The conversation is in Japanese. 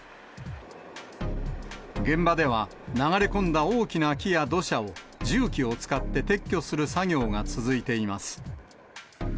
現場では、流れ込んだ大きな木や土砂を重機を使って撤去する作業が続いています。